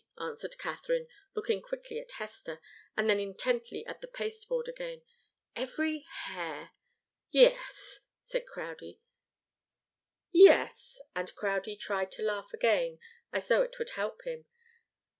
answered Katharine, looking quickly at Hester and then intently at the pasteboard again. "Every hair " "Yes." And Crowdie tried to laugh again, as though it would help him.